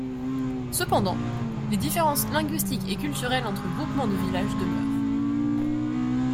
Cependant, les différences linguistiques et culturelles entre groupement de villages demeurent.